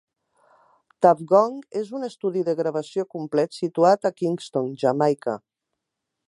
Tuff Gong és un estudi de gravació complet situat a Kingston, Jamaica.